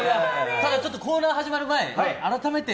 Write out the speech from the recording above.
ただ、コーナー始まる前改めて。